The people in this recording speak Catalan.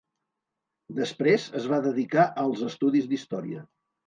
Després es va dedicar als estudis d'història.